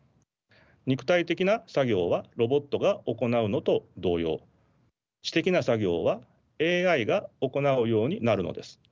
肉体的な作業はロボットが行うのと同様知的な作業はＡＩが行うようになるのです。